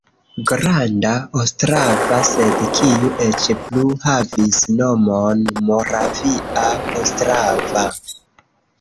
Granda Ostrava, sed kiu eĉ plu havis nomon Moravia Ostrava.